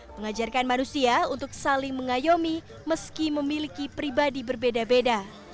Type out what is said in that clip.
mengajarkan manusia untuk saling mengayomi meski memiliki pribadi berbeda beda